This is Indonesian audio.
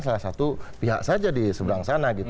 salah satu pihak saja di sebelah sana